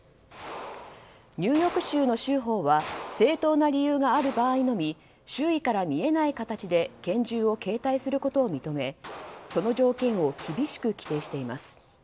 ニューヨーク州の州法は正当な理由がある場合のみ周囲から見えない形で拳銃を携帯することを認めその条件を厳しく規定しています。